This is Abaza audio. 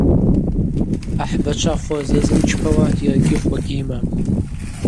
Ахӏбачва хвы рзызымчпауа йаргьи хвы гьйымам.